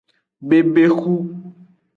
Bebexu.